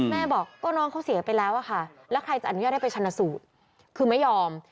แม่บอกก็น้องเขาเสียไปแล้วอะค่ะแล้วใครจะอนุญาตให้ไปชนะสูตรคือไม่ยอม